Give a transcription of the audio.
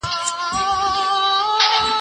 ما مخکي د سبا لپاره د سوالونو جواب ورکړی وو!؟